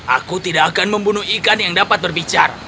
aku tidak akan membunuh ikan yang dapat berbicara